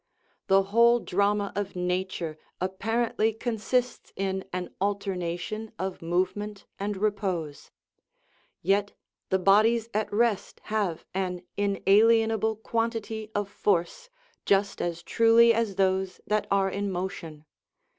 The whole drama of nature apparently consists in an alternation of movement and repose; yet the bodies at rest have an inalienable quantity of force, just as truly as those that are in motion.